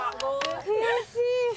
悔しい。